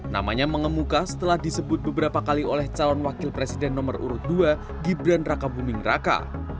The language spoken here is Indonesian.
namanya mengemuka setelah disebut beberapa kali oleh calon wakil presiden nomor urut dua gibran raka buming raka